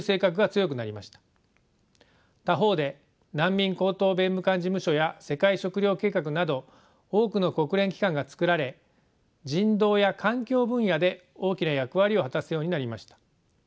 他方で難民高等弁務官事務所や世界食糧計画など多くの国連機関が作られ人道や環境分野で大きな役割を果たすようになりました。